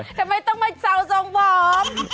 ทำไมต้องมาแซวทรงผม